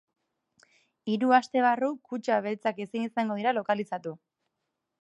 Hiru aste barru kutxa beltzak ezin izango dira lokalizatu.